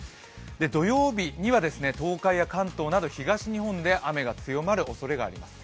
土曜日には東海や関東など東日本で雨が強まるおそれがあります。